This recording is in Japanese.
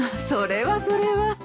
それはそれは。